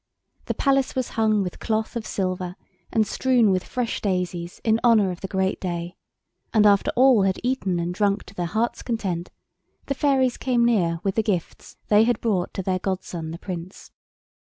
The Palace was hung with cloth of silver and strewn with fresh daisies, in honour of the great day, and after all had eaten and drunk to their hearts' content the fairies came near with the gifts they had brought to their godson the Prince.